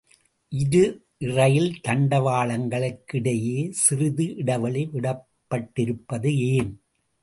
இரு இரயில் தண்டவாளங்களுக்கிடையே சிறிது இடைவெளி விடப்பட்டிருப்பது ஏன்?